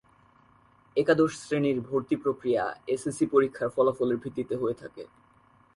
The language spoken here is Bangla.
একাদশ শ্রেনির ভর্তি প্রক্রিয়া এস এস সি পরীক্ষার ফলাফলের ভিত্তিতে হয়ে থাকে।